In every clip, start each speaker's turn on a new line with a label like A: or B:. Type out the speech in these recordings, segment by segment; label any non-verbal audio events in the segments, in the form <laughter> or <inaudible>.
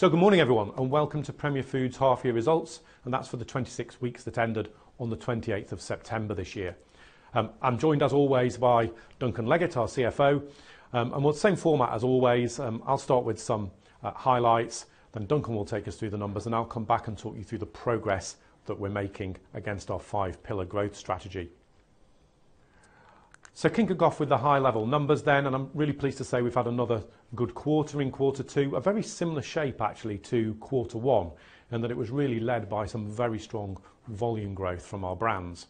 A: Good morning, everyone, and welcome to Premier Foods half-year results, and that's for the 26 weeks that ended on the 28th of September this year. I'm joined, as always, by Duncan Leggett, our CFO, and we'll have the same format as always. I'll start with some highlights, then Duncan will take us through the numbers, and I'll come back and talk you through the progress that we're making against our five-pillar growth strategy. Kicking off with the high-level numbers then, and I'm really pleased to say we've had another good quarter in quarter two, a very similar shape actually to quarter one, and that it was really led by some very strong volume growth from our brands.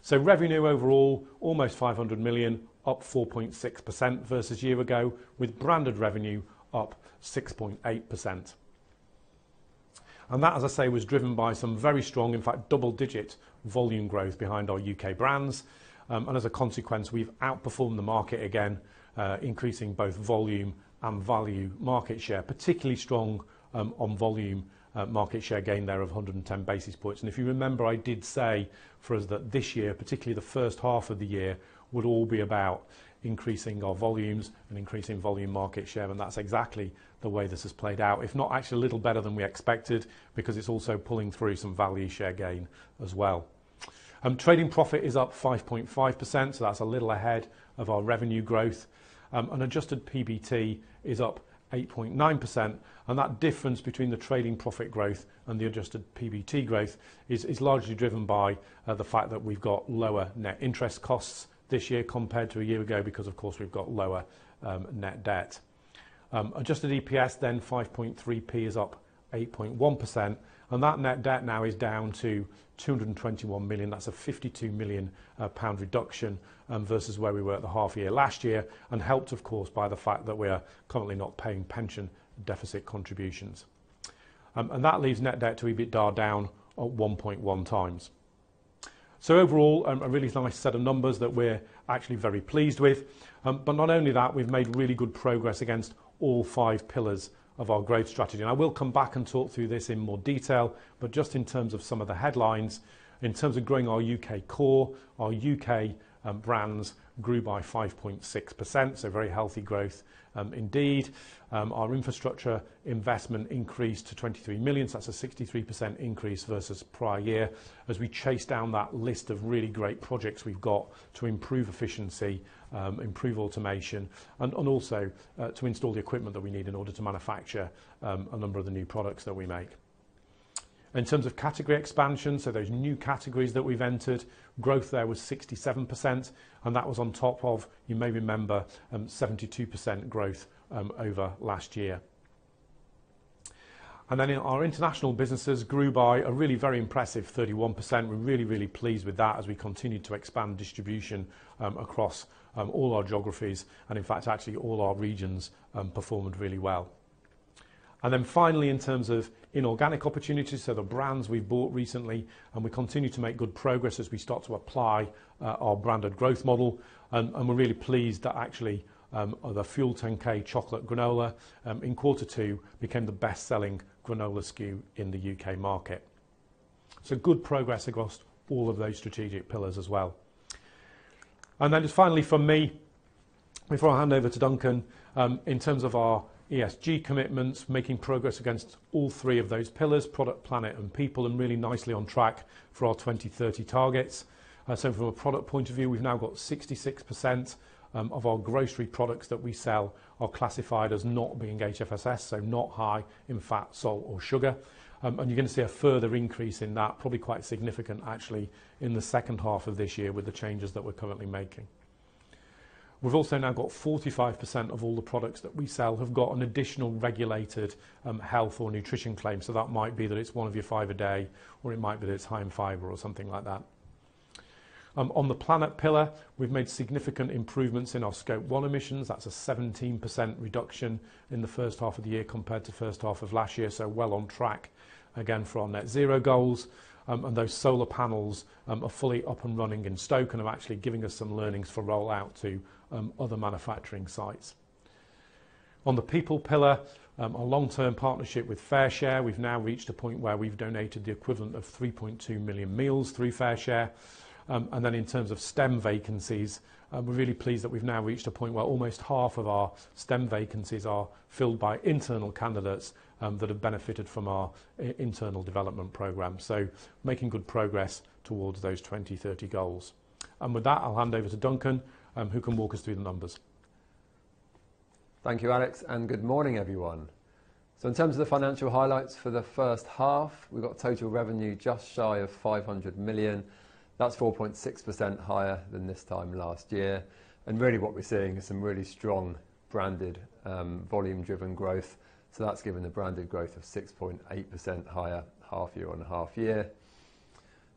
A: So revenue overall, almost 500 million, up 4.6% versus a year ago, with branded revenue up 6.8%. And that, as I say, was driven by some very strong, in fact double-digit volume growth behind our U.K. brands. And as a consequence, we've outperformed the market again, increasing both volume and value market share, particularly strong on volume market share gain there of 110 basis points. And if you remember, I did say for us that this year, particularly the first half of the year, would all be about increasing our volumes and increasing volume market share, and that's exactly the way this has played out, if not actually a little better than we expected, because it's also pulling through some value share gain as well. Trading profit is up 5.5%, so that's a little ahead of our revenue growth. Adjusted PBT is up 8.9%, and that difference between the trading profit growth and the adjusted PBT growth is largely driven by the fact that we've got lower net interest costs this year compared to a year ago because, of course, we've got lower net debt. Adjusted EPS, then, 5.3p is up 8.1%, and that net debt now is down to 221 million. That's a 52 million pound reduction versus where we were at the half-year last year, and helped, of course, by the fact that we are currently not paying pension deficit contributions. And that leaves net debt to be a bit geared down at 1.1x. So overall, a really nice set of numbers that we're actually very pleased with. But not only that, we've made really good progress against all five pillars of our growth strategy. And I will come back and talk through this in more detail, but just in terms of some of the headlines, in terms of growing our U.K. core, our U.K. brands grew by 5.6%, so very healthy growth, indeed. Our infrastructure investment increased to 23 million, so that's a 63% increase versus prior year, as we chase down that list of really great projects we've got to improve efficiency, improve automation, and also, to install the equipment that we need in order to manufacture a number of the new products that we make. In terms of category expansion, so those new categories that we've entered, growth there was 67%, and that was on top of, you may remember, 72% growth over last year. And then our international businesses grew by a really very impressive 31%. We're really, really pleased with that as we continue to expand distribution across all our geographies, and in fact, actually all our regions performed really well. And then finally, in terms of inorganic opportunities, so the brands we've bought recently, and we continue to make good progress as we start to apply our branded growth model. And we're really pleased that actually the FUEL10K chocolate granola in quarter two became the best-selling granola SKU in the U.K. market. So good progress across all of those strategic pillars as well. And then just finally for me, before I hand over to Duncan, in terms of our ESG commitments, making progress against all three of those pillars: product, planet, and people, and really nicely on track for our 2030 targets. So from a product point of view, we've now got 66% of our Grocery products that we sell are classified as not being HFSS, so not high in fat, salt, or sugar, and you're gonna see a further increase in that, probably quite significant actually in the second half of this year with the changes that we're currently making. We've also now got 45% of all the products that we sell have got an additional regulated, health or nutrition claim, so that might be that it's one of your five a day, or it might be that it's high in fiber or something like that. On the planet pillar, we've made significant improvements in our Scope 1 emissions. That's a 17% reduction in the first half of the year compared to the first half of last year, so well on track again for our net zero goals. And those solar panels are fully up and running in Stoke and are actually giving us some learnings for rollout to other manufacturing sites. On the people pillar, our long-term partnership with FareShare, we've now reached a point where we've donated the equivalent of 3.2 million meals through FareShare. And then in terms of STEM vacancies, we're really pleased that we've now reached a point where almost half of our STEM vacancies are filled by internal candidates that have benefited from our internal development program. So making good progress towards those 2030 goals. And with that, I'll hand over to Duncan, who can walk us through the numbers.
B: Thank you, Alex, and good morning, everyone. So in terms of the financial highlights for the first half, we've got total revenue just shy of 500 million. That's 4.6% higher than this time last year. And really what we're seeing is some really strong branded, volume-driven growth. So that's given the branded growth of 6.8% higher half year on half year.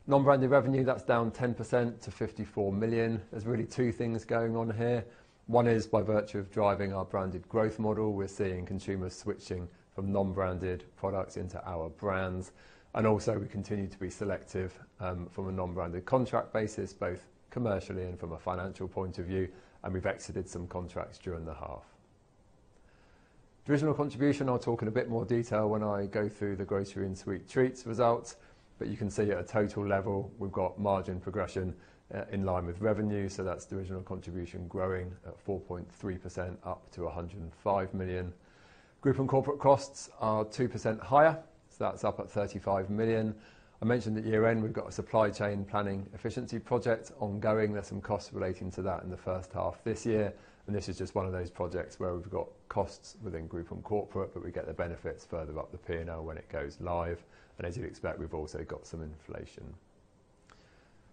B: Non-branded revenue, that's down 10% to 54 million. There's really two things going on here. One is by virtue of driving our branded growth model, we're seeing consumers switching from non-branded products into our brands. And also we continue to be selective, from a non-branded contract basis, both commercially and from a financial point of view, and we've exited some contracts during the half. Divisional contribution. I'll talk in a bit more detail when I go through the grocery and Sweet Treats results, but you can see at a total level we've got margin progression, in line with revenue, so that's divisional contribution growing at 4.3% up to 105 million. Group and corporate costs are 2% higher, so that's up at 35 million. I mentioned at year-end we've got a supply chain planning efficiency project ongoing. There's some costs relating to that in the first half this year, and this is just one of those projects where we've got costs within group and corporate, but we get the benefits further up the P&L when it goes live, and as you'd expect, we've also got some inflation,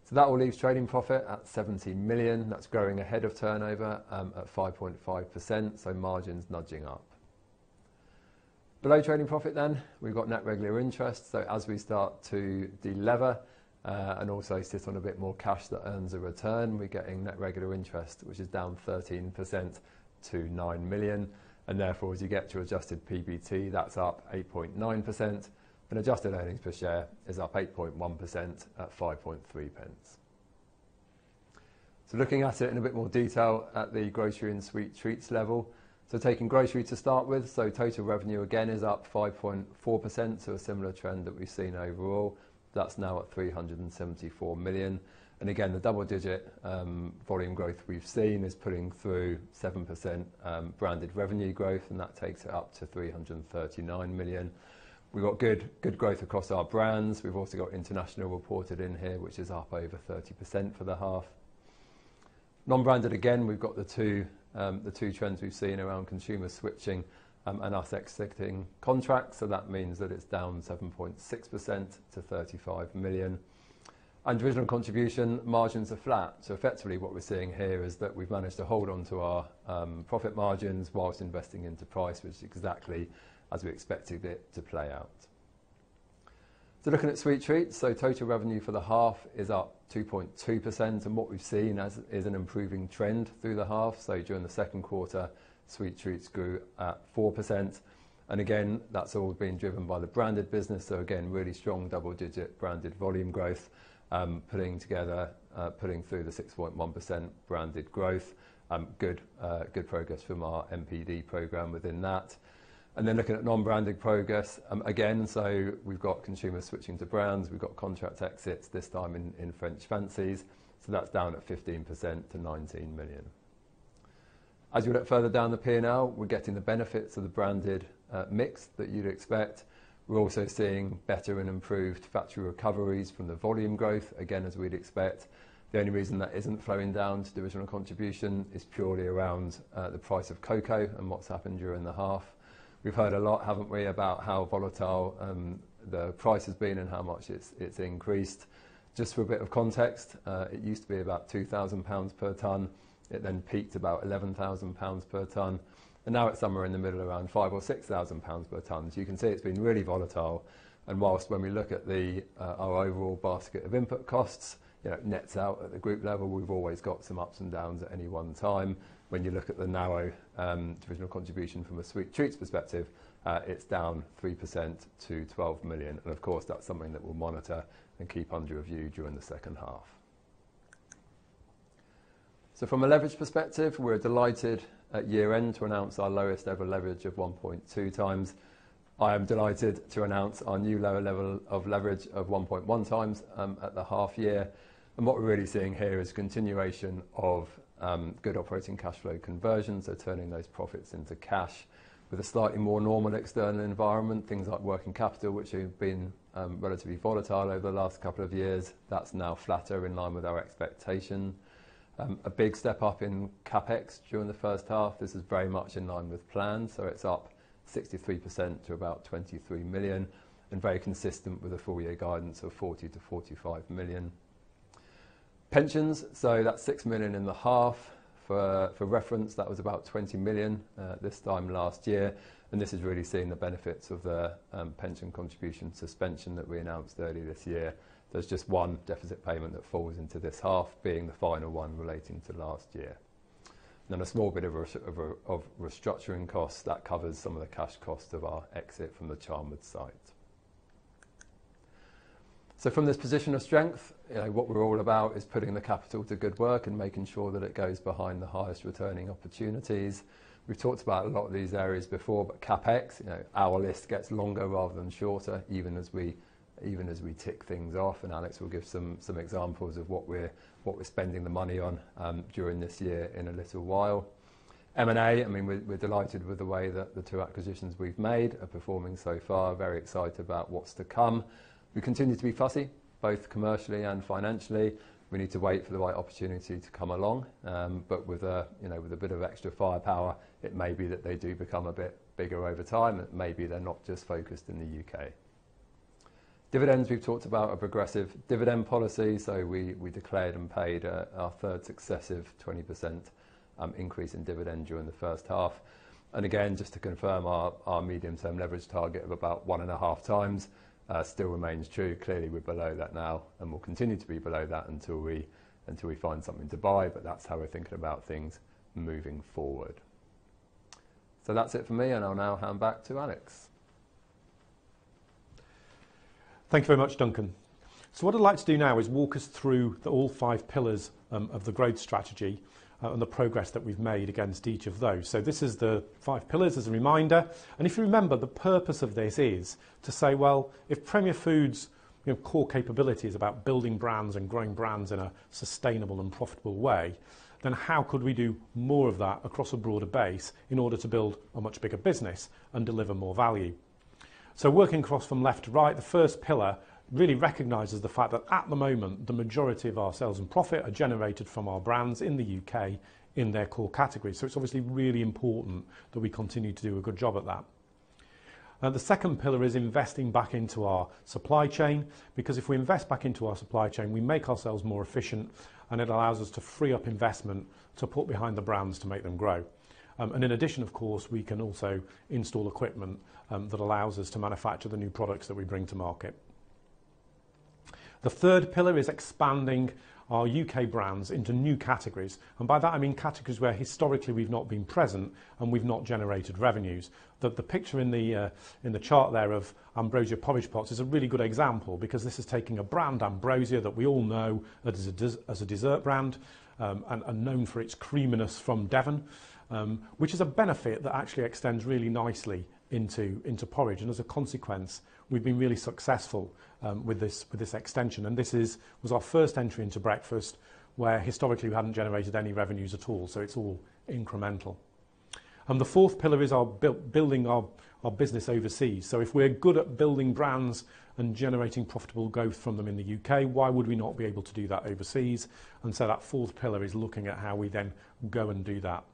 B: so that all leaves trading profit at 70 million. That's growing ahead of turnover, at 5.5%, so margins nudging up. Below trading profit then, we've got net regular interest, so as we start to delever, and also sit on a bit more cash that earns a return, we're getting net regular interest, which is down 13% to 9 million. And therefore, as you get to adjusted PBT, that's up 8.9%, and adjusted earnings per share is up 8.1% at 0.053. So looking at it in a bit more detail at the grocery and Sweet Treats level, so taking grocery to start with, so total revenue again is up 5.4%, so a similar trend that we've seen overall, that's now at 374 million. And again, the double-digit volume growth we've seen is pulling through 7% branded revenue growth, and that takes it up to 339 million. We've got good, good growth across our brands. We've also got international reported in here, which is up over 30% for the half. Non-branded again, we've got the two trends we've seen around consumers switching, and us exiting contracts, so that means that it's down 7.6% to 35 million. Divisional contribution margins are flat, so effectively what we're seeing here is that we've managed to hold onto our profit margins while investing into price, which is exactly as we expected it to play out. Looking at Sweet Treats, total revenue for the half is up 2.2%, and what we've seen is an improving trend through the half. During the Q2, Sweet Treats grew at 4%, and again, that's all being driven by the branded business, so again, really strong double-digit branded volume growth, pulling through the 6.1% branded growth. Good progress from our NPD program within that. Then looking at non-branded progress, again, so we've got consumers switching to brands, we've got contract exits this time in French Fancies, so that's down 15% to 19 million. As we look further down the P&L, we're getting the benefits of the branded mix that you'd expect. We're also seeing better and improved factory recoveries from the volume growth, again as we'd expect. The only reason that isn't flowing down to divisional contribution is purely around the price of cocoa and what's happened during the half. We've heard a lot, haven't we, about how volatile the price has been and how much it's increased. Just for a bit of context, it used to be about 2,000 pounds per tonne. It then peaked about 11,000 pounds per tonne, and now it's somewhere in the middle around 5,000 or 6,000 pounds per tonne. So you can see it's been really volatile, and while when we look at our overall basket of input costs, you know, nets out at the Group level, we've always got some ups and downs at any one time. When you look at the narrow divisional contribution from a Sweet Treats perspective, it's down 3% to 12 million, and of course that's something that we'll monitor and keep under review during the second half. So from a leverage perspective, we're delighted at year-end to announce our lowest ever leverage of 1.2x. I am delighted to announce our new lower level of leverage of 1.1x, at the half year. And what we're really seeing here is continuation of good operating cash flow conversion, so turning those profits into cash with a slightly more normal external environment. Things like working capital, which have been relatively volatile over the last couple of years, that's now flatter in line with our expectation. A big step up in CapEx during the first half. This is very much in line with plan, so it's up 63% to about 23 million, and very consistent with a four-year guidance of 40 million to 45 million. Pensions, so that's 6 million in the half. For reference, that was about 20 million this time last year, and this is really seeing the benefits of the pension contribution suspension that we announced early this year. There's just one deficit payment that falls into this half, being the final one relating to last year. Then a small bit of restructuring costs that covers some of the cash cost of our exit from the Charnwood site. So from this position of strength, you know, what we're all about is putting the capital to good work and making sure that it goes behind the highest returning opportunities. We've talked about a lot of these areas before, but CapEx, you know, our list gets longer rather than shorter, even as we tick things off, and Alex will give some examples of what we're spending the money on, during this year in a little while. M&A, I mean, we're delighted with the way that the two acquisitions we've made are performing so far. Very excited about what's to come. We continue to be fussy, both commercially and financially. We need to wait for the right opportunity to come along, but with a, you know, with a bit of extra firepower, it may be that they do become a bit bigger over time, and maybe they're not just focused in the U.K. Dividends, we've talked about a progressive dividend policy, so we declared and paid our third successive 20% increase in dividend during the first half. And again, just to confirm our medium-term leverage target of about one and a half times still remains true. Clearly, we're below that now, and we'll continue to be below that until we find something to buy, but that's how we're thinking about things moving forward. So that's it for me, and I'll now hand back to Alex.
A: Thank you very much, Duncan. So what I'd like to do now is walk us through the five pillars of the growth strategy, and the progress that we've made against each of those. So this is the five pillars as a reminder, and if you remember, the purpose of this is to say, well, if Premier Foods, you know, core capability is about building brands and growing brands in a sustainable and profitable way, then how could we do more of that across a broader base in order to build a much bigger business and deliver more value? So working across from left to right, the first pillar really recognizes the fact that at the moment, the majority of our sales and profit are generated from our brands in the U.K. in their core categories. So it's obviously really important that we continue to do a good job at that. The second pillar is investing back into our supply chain, because if we invest back into our supply chain, we make ourselves more efficient, and it allows us to free up investment to put behind the brands to make them grow, and in addition, of course, we can also install equipment that allows us to manufacture the new products that we bring to market. The third pillar is expanding our U.K. brands into new categories, and by that I mean categories where historically we've not been present and we've not generated revenues. The picture in the chart there of Ambrosia Porridge Pots is a really good example, because this is taking a brand, Ambrosia, that we all know that is a dessert brand, and known for its creaminess from Devon, which is a benefit that actually extends really nicely into porridge. As a consequence, we've been really successful with this extension, and this was our first entry into breakfast where historically we hadn't generated any revenues at all, so it's all incremental. The fourth pillar is building our business overseas. If we're good at building brands and generating profitable growth from them in the U.K., why would we not be able to do that overseas? That fourth pillar is looking at how we then go and do that.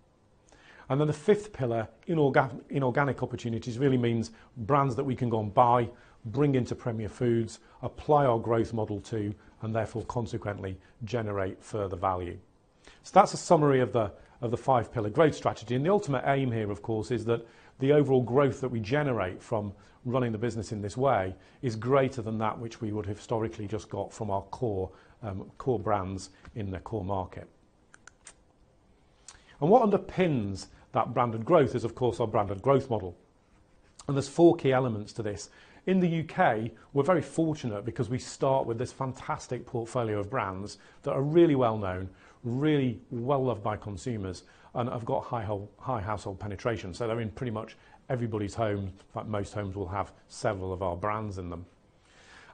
A: Then the fifth pillar, inorganic, inorganic opportunities really means brands that we can go and buy, bring into Premier Foods, apply our growth model to, and therefore consequently generate further value. So that's a summary of the five-pillar growth strategy, and the ultimate aim here, of course, is that the overall growth that we generate from running the business in this way is greater than that which we would have historically just got from our core, core brands in the core market. What underpins that branded growth is, of course, our branded growth model. There's four key elements to this. In the U.K., we're very fortunate because we start with this fantastic portfolio of brands that are really well-known, really well-loved by consumers, and have got high, high household penetration, so they're in pretty much everybody's home. In fact, most homes will have several of our brands in them.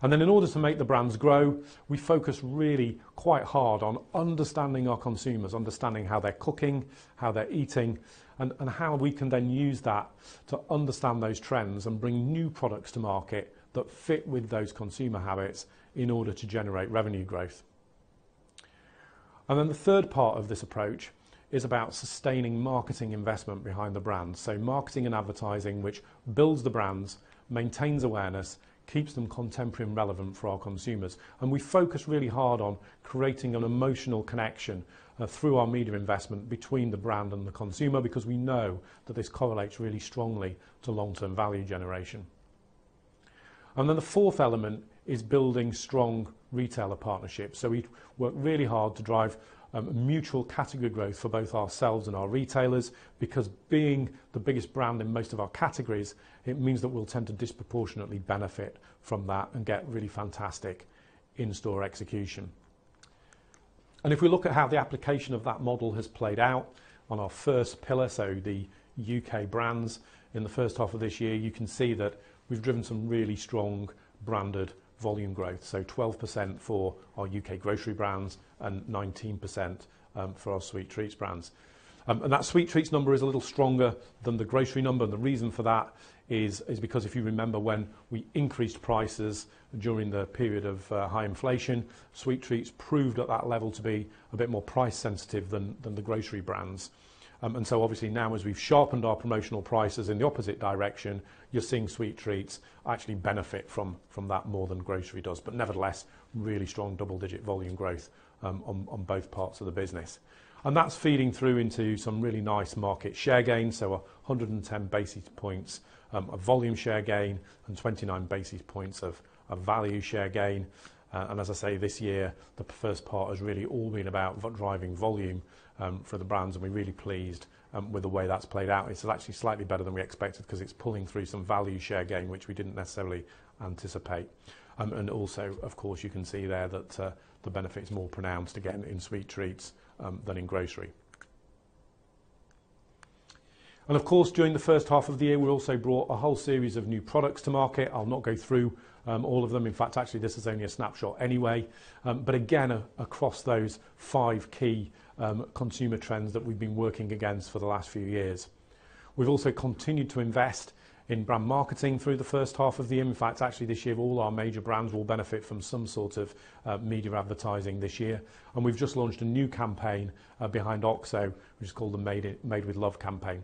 A: And then in order to make the brands grow, we focus really quite hard on understanding our consumers, understanding how they're cooking, how they're eating, and how we can then use that to understand those trends and bring new products to market that fit with those consumer habits in order to generate revenue growth. And then the third part of this approach is about sustaining marketing investment behind the brands, so marketing and advertising which builds the brands, maintains awareness, keeps them contemporary and relevant for our consumers. And we focus really hard on creating an emotional connection, through our media investment between the brand and the consumer, because we know that this correlates really strongly to long-term value generation. Then the fourth element is building strong retailer partnerships, so we work really hard to drive mutual category growth for both ourselves and our retailers, because being the biggest brand in most of our categories, it means that we'll tend to disproportionately benefit from that and get really fantastic in-store execution. If we look at how the application of that model has played out on our first pillar, so the U.K. brands in the first half of this year, you can see that we've driven some really strong branded volume growth, so 12% for our U.K. grocery brands and 19% for our Sweet Treats brands. And that Sweet Treats number is a little stronger than the grocery number, and the reason for that is because if you remember when we increased prices during the period of high inflation, Sweet Treats proved at that level to be a bit more price-sensitive than the grocery brands. And so obviously now as we've sharpened our promotional prices in the opposite direction, you're seeing Sweet Treats actually benefit from that more than grocery does, but nevertheless, really strong double-digit volume growth on both parts of the business. And that's feeding through into some really nice market share gains, so 110 basis points of volume share gain and 29 basis points of value share gain. And as I say, this year, the first part has really all been about driving volume for the brands, and we're really pleased with the way that's played out. It's actually slightly better than we expected because it's pulling through some value share gain which we didn't necessarily anticipate. And also, of course, you can see there that the benefit's more pronounced again in Sweet Treats than in grocery. And of course, during the first half of the year, we also brought a whole series of new products to market. I'll not go through all of them. In fact, actually, this is only a snapshot anyway, but again, across those five key consumer trends that we've been working against for the last few years. We've also continued to invest in brand marketing through the first half of the year. In fact, actually, this year, all our major brands will benefit from some sort of media advertising this year, and we've just launched a new campaign behind OXO, which is called the Made It, Made With Love campaign.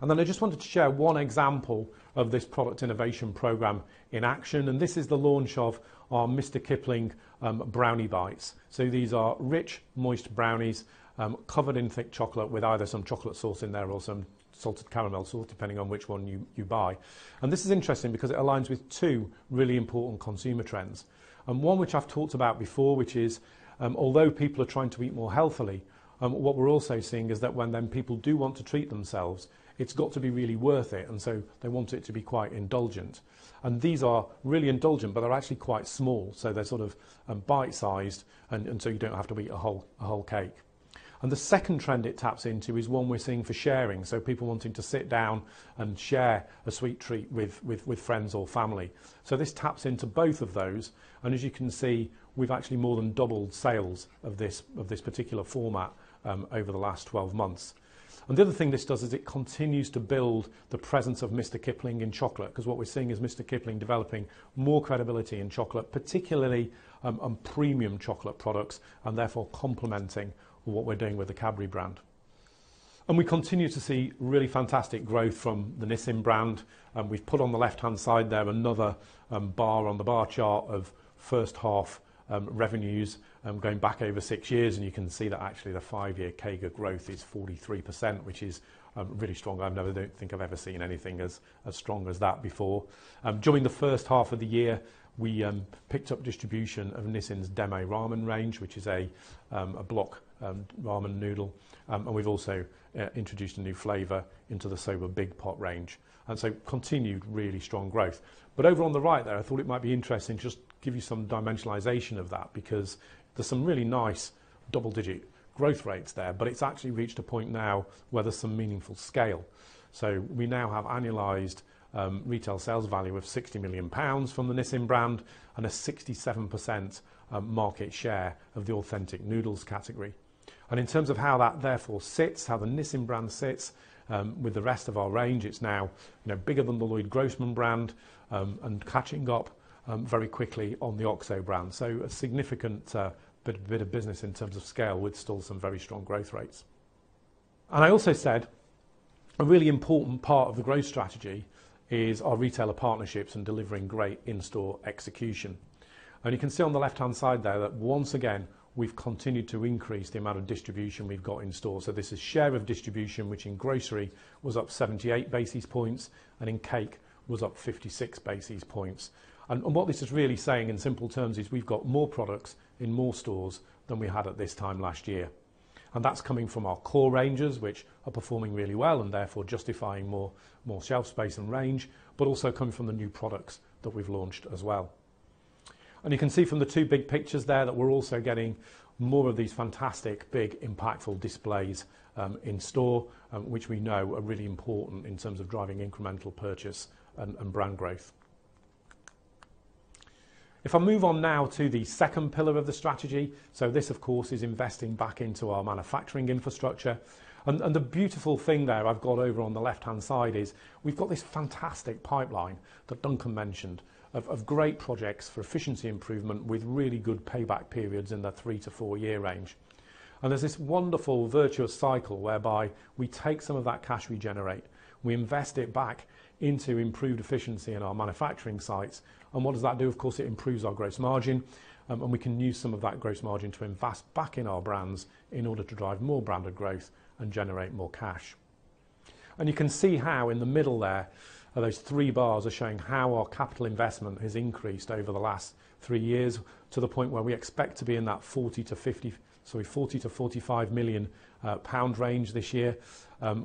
A: And then I just wanted to share one example of this product innovation program in action, and this is the launch of our Mr Kipling Brownie Bites. So these are rich, moist brownies, covered in thick chocolate with either some chocolate sauce in there or some salted caramel sauce, depending on which one you buy. And this is interesting because it aligns with two really important consumer trends. One which I've talked about before, which is, although people are trying to eat more healthily, what we're also seeing is that when people do want to treat themselves, it's got to be really worth it, and so they want it to be quite indulgent. And these are really indulgent, but they're actually quite small, so they're sort of bite-sized, and so you don't have to eat a whole cake. The second trend it taps into is one we're seeing for sharing, so people wanting to sit down and share a sweet treat with friends or family. This taps into both of those, and as you can see, we've actually more than doubled sales of this particular format over the last 12 months. The other thing this does is it continues to build the presence of Mr Kipling in chocolate, because what we're seeing is Mr Kipling developing more credibility in chocolate, particularly premium chocolate products, and therefore complementing what we're doing with the Cadbury brand. We continue to see really fantastic growth from the Nissin brand. We've put on the left-hand side there another bar on the bar chart of first half revenues, going back over six years, and you can see that actually the five-year CAGR growth is 43%, which is really strong. I've never think I've ever seen anything as strong as that before. During the first half of the year, we picked up distribution of Nissin's Demae Ramen range, which is a block ramen noodle, and we've also introduced a new flavor into the Soba Big Pot range, and so continued really strong growth. But over on the right there, I thought it might be interesting to just give you some dimensionalization of that, because there's some really nice double-digit growth rates there, but it's actually reached a point now where there's some meaningful scale. We now have annualized retail sales value of 60 million pounds from the Nissin brand and a 67% market share of the authentic noodles category. And in terms of how that therefore sits, how the Nissin brand sits, with the rest of our range, it's now, you know, bigger than the Loyd Grossman brand, and catching up very quickly on the OXO brand. So a significant bit of business in terms of scale with still some very strong growth rates. And I also said a really important part of the growth strategy is our retailer partnerships and delivering great in-store execution. And you can see on the left-hand side there that once again, we've continued to increase the amount of distribution we've got in store. So this is share of distribution, which in grocery was up 78 basis points, and in cake was up 56 basis points. What this is really saying in simple terms is we've got more products in more stores than we had at this time last year. And that's coming from our core ranges, which are performing really well and therefore justifying more, more shelf space and range, but also coming from the new products that we've launched as well. And you can see from the two big pictures there that we're also getting more of these fantastic, big, impactful displays, in store, which we know are really important in terms of driving incremental purchase and, and brand growth. If I move on now to the second pillar of the strategy, so this of course is investing back into our manufacturing infrastructure. The beautiful thing there I've got over on the left-hand side is we've got this fantastic pipeline that Duncan mentioned of great projects for efficiency improvement with really good payback periods in the three-to-four-year range. There's this wonderful virtuous cycle whereby we take some of that cash we generate, we invest it back into improved efficiency in our manufacturing sites, and what does that do? Of course, it improves our gross margin, and we can use some of that gross margin to invest back in our brands in order to drive more branded growth and generate more cash. You can see how in the middle there are those three bars are showing how our capital investment has increased over the last three years to the point where we expect to be in that 40 million-50 million, sorry, 40 million-45 million pound range this year,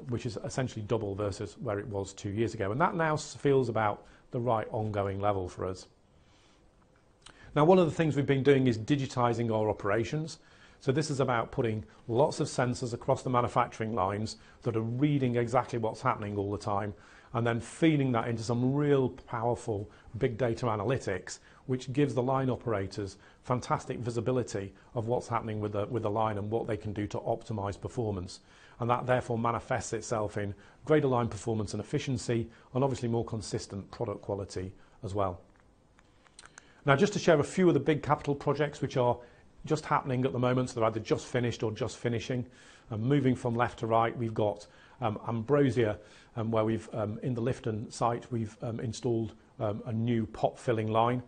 A: which is essentially double versus where it was two years ago, and that now feels about the right ongoing level for us. Now, one of the things we've been doing is digitizing our operations. This is about putting lots of sensors across the manufacturing lines that are reading exactly what's happening all the time, and then feeding that into some real powerful big data analytics, which gives the line operators fantastic visibility of what's happening with the line and what they can do to optimize performance. That therefore manifests itself in greater line performance and efficiency, and obviously more consistent product quality as well. Now, just to share a few of the big capital projects which are just happening at the moment, so they're either just finished or just finishing. Moving from left to right, we've got Ambrosia, where we've in the Lifton site installed a new pot filling line.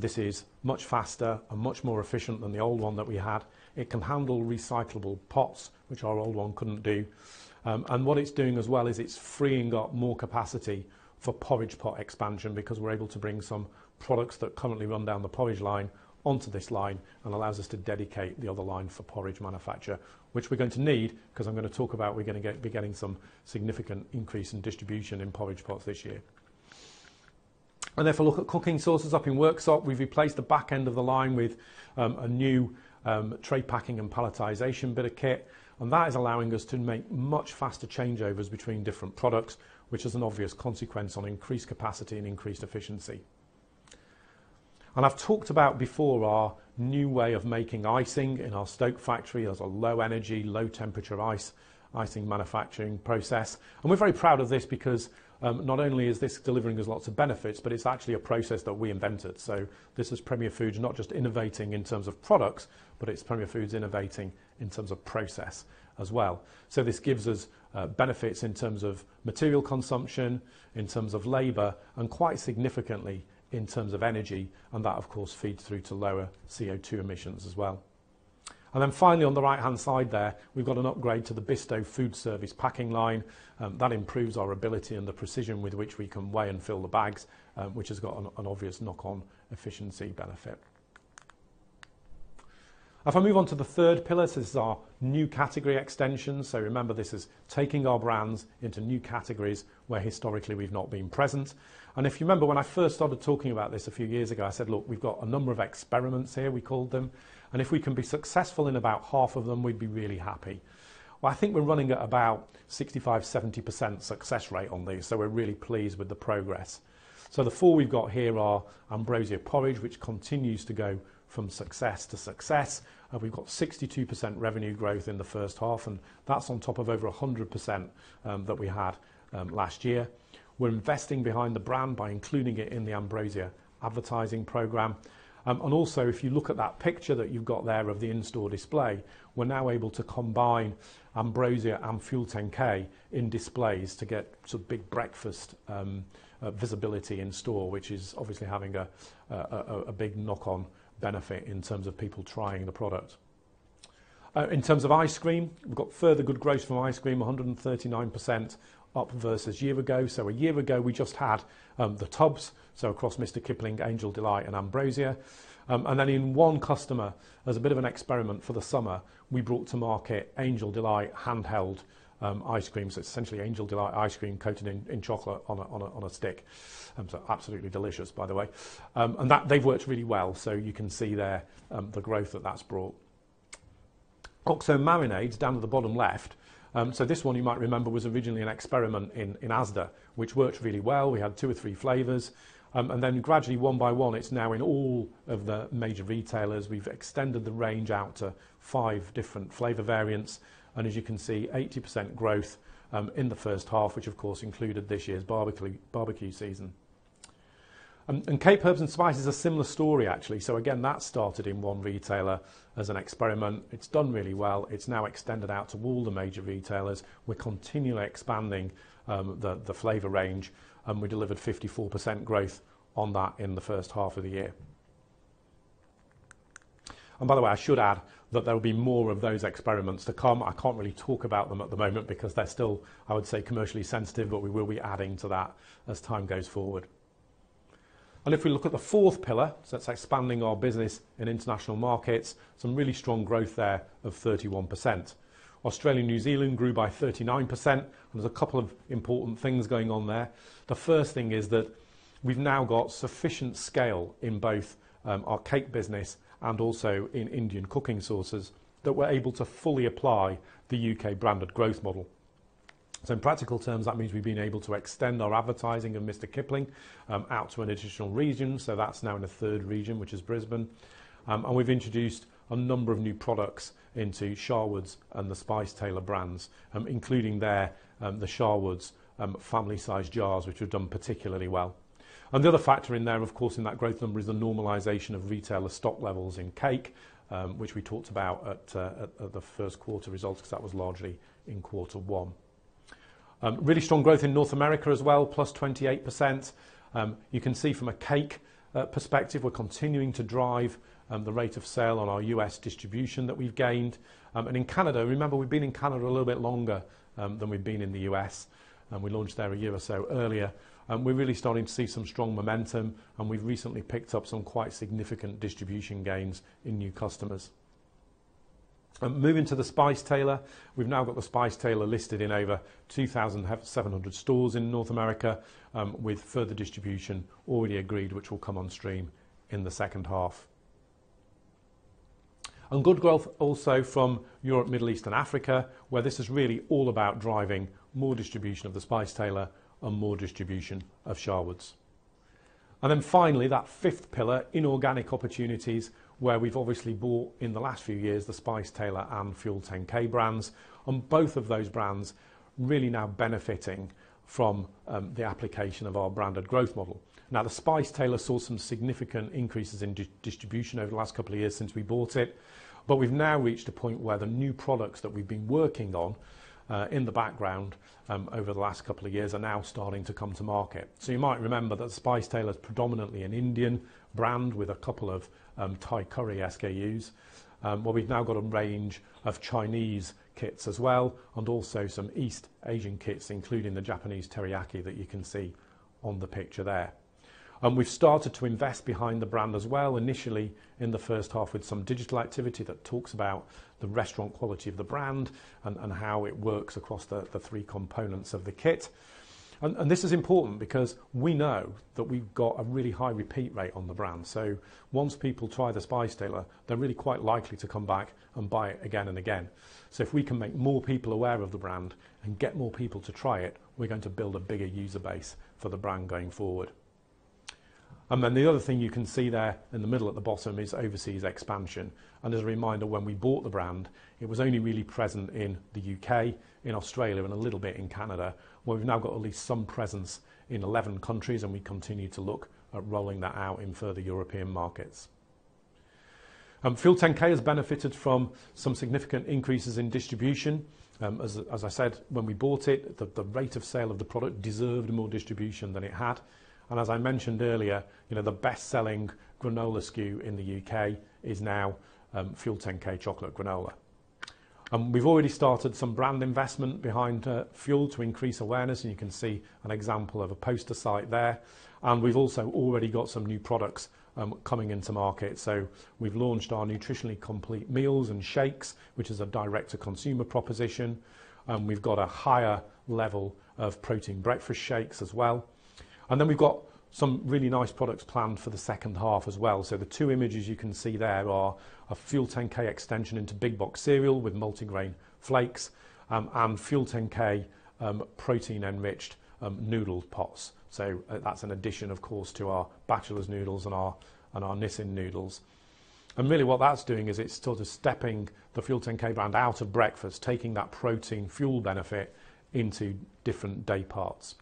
A: This is much faster and much more efficient than the old one that we had. It can handle recyclable pots, which our old one couldn't do. And what it's doing as well is it's freeing up more capacity for porridge pot expansion because we're able to bring some products that currently run down the porridge line onto this line and allows us to dedicate the other line for porridge manufacture, which we're going to need because I'm going to talk about we're going to get some significant increase in distribution in porridge pots this year. And therefore, look at cooking sauces up in Worksop. We've replaced the back end of the line with a new tray packing and palletization bit of kit, and that is allowing us to make much faster changeovers between different products, which is an obvious consequence on increased capacity and increased efficiency. And I've talked about before our new way of making icing in our Stoke factory. There's a low energy, low temperature icing manufacturing process, and we're very proud of this because, not only is this delivering us lots of benefits, but it's actually a process that we invented. So this is Premier Foods not just innovating in terms of products, but it's Premier Foods innovating in terms of process as well. So this gives us, benefits in terms of material consumption, in terms of labor, and quite significantly in terms of energy, and that of course feeds through to lower CO2 emissions as well. And then finally, on the right-hand side there, we've got an upgrade to the Bisto Foodservice packing line that improves our ability and the precision with which we can weigh and fill the bags, which has got an obvious knock-on efficiency benefit. If I move on to the third pillar, this is our new category extension. Remember, this is taking our brands into new categories where historically we've not been present. If you remember when I first started talking about this a few years ago, I said, "Look, we've got a number of experiments here," we called them, "and if we can be successful in about half of them, we'd be really happy." I think we're running at about 65-70% success rate on these, so we're really pleased with the progress. The four we've got here are Ambrosia Porridge, which continues to go from success to success, and we've got 62% revenue growth in the first half, and that's on top of over 100% that we had last year. We're investing behind the brand by including it in the Ambrosia advertising program. And also, if you look at that picture that you've got there of the in-store display, we're now able to combine Ambrosia and FUEL10K in displays to get sort of big breakfast visibility in store, which is obviously having a big knock-on benefit in terms of people trying the product. In terms of ice cream, we've got further good growth from ice cream, 139% up versus a year ago. So a year ago, we just had the tubs, so across Mr Kipling, Angel Delight, and Ambrosia. And then in one customer, as a bit of an experiment for the summer, we brought to market Angel Delight handheld ice cream. So it's essentially Angel Delight ice cream coated in chocolate on a stick. So absolutely delicious, by the way. And that they've worked really well. So you can see there, the growth that that's brought. OXO marinades down at the bottom left. So this one you might remember was originally an experiment in Asda, which worked really well. We had two or three flavors, and then gradually, one by one, it's now in all of the major retailers. We've extended the range out to five different flavor variants, and as you can see, 80% growth in the first half, which of course included this year's barbecue season. And Cape Herb & Spice are a similar story, actually. So again, that started in one retailer as an experiment. It's done really well. It's now extended out to all the major retailers. We're continually expanding the flavor range, and we delivered 54% growth on that in the first half of the year. By the way, I should add that there will be more of those experiments to come. I can't really talk about them at the moment because they're still, I would say, commercially sensitive, but we will be adding to that as time goes forward. If we look at the fourth pillar, so that's expanding our business in international markets, some really strong growth there of 31%. Australia and New Zealand grew by 39%, and there's a couple of important things going on there. The first thing is that we've now got sufficient scale in both, our cake business and also in Indian cooking sauces that we're able to fully apply the U.K. branded growth model. So in practical terms, that means we've been able to extend our advertising of Mr Kipling, out to an additional region. So that's now in a third region, which is Brisbane. And we've introduced a number of new products into Sharwood's and The Spice Tailor brands, including the Sharwood's family-sized jars, which have done particularly well. And the other factor in there, of course, in that growth number is the normalization of retailer stock levels in cake, which we talked about at the Q1 results because that was largely in quarter one. Really strong growth in North America as well, 28%. You can see from a cake perspective, we're continuing to drive the rate of sale on our U.S. distribution that we've gained. And in Canada, remember, we've been in Canada a little bit longer than we've been in the U.S., and we launched there a year or so earlier. We're really starting to see some strong momentum, and we've recently picked up some quite significant distribution gains in new customers. Moving to the Spice Tailor, we've now got the Spice Tailor listed in over 2,700 stores in North America, with further distribution already agreed, which will come on stream in the second half. And good growth also from Europe, Middle East, and Africa, where this is really all about driving more distribution of the Spice Tailor and more distribution of Sharwood's. And then finally, that fifth pillar, inorganic opportunities, where we've obviously bought in the last few years the Spice Tailor and FUEL10K brands, and both of those brands really now benefiting from the application of our branded growth model. Now, The Spice Tailor saw some significant increases in distribution over the last couple of years since we bought it, but we've now reached a point where the new products that we've been working on, in the background, over the last couple of years are now starting to come to market, so you might remember that The Spice Tailor is predominantly an Indian brand with a couple of Thai curry SKUs, well, we've now got a range of Chinese kits as well, and also some East Asian kits, including the Japanese teriyaki that you can see on the picture there, and we've started to invest behind the brand as well, initially in the first half with some digital activity that talks about the restaurant quality of the brand and how it works across the three components of the kit. This is important because we know that we've got a really high repeat rate on the brand. So once people try the Spice Tailor, they're really quite likely to come back and buy it again and again. So if we can make more people aware of the brand and get more people to try it, we're going to build a bigger user base for the brand going forward. And then the other thing you can see there in the middle at the bottom is overseas expansion. And as a reminder, when we bought the brand, it was only really present in the U.K., in Australia, and a little bit in Canada, where we've now got at least some presence in 11 countries, and we continue to look at rolling that out in further European markets. FUEL10K has benefited from some significant increases in distribution. As, as I said, when we bought it, the rate of sale of the product deserved more distribution than it had. And as I mentioned earlier, you know, the best-selling granola SKU in the U.K. is now FUEL10K chocolate granola. We've already started some brand investment behind FUEL10K to increase awareness, and you can see an example of a poster site there. And we've also already got some new products coming into market. So we've launched our nutritionally complete meals and shakes, which is a direct-to-consumer proposition. We've got a higher level of protein breakfast shakes as well. And then we've got some really nice products planned for the second half as well. So the two images you can see there are a FUEL10K extension into big box cereal with multigrain flakes, and FUEL10K protein-enriched noodle pots. So that's an addition, of course, to our Batchelors noodles and our Nissin noodles. And really what that's doing is it's sort of stepping the FUEL10K brand out of breakfast, taking that protein fuel benefit into different day parts.